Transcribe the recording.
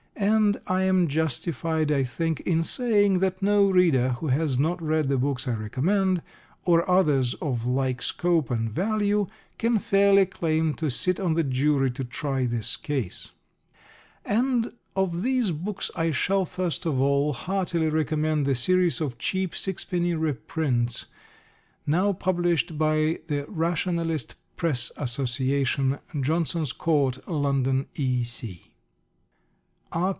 And I am justified, I think, in saying that no reader who has not read the books I recommend, or others of like scope and value, can fairly claim to sit on the jury to try this case. And of these books I shall, first of all, heartily recommend the series of cheap sixpenny reprints now published by the Rationalist Press Association, Johnson's Court, London, E.C. R.